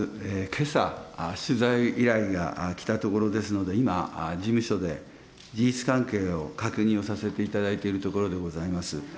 けさ、取材依頼が来たところですので、今、事務所で、事実関係を確認をさせていただいているところでございます。